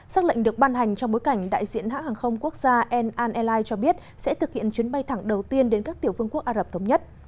xác lệnh được ban hành trong bối cảnh đại diện hãng hàng không quốc gia al an airlines cho biết sẽ thực hiện chuyến bay thẳng đầu tiên đến các tiểu vương quốc ả rập thống nhất